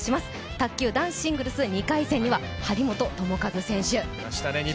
卓球男子シングルス２回戦には張本智和選手。